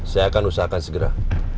saya akan usahakan segera